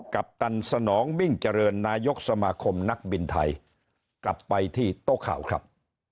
ปัปตันสนองมิ่งเจริญนายกสมาคมนักบินไทยกลับไปที่โต๊ะข่าวครับ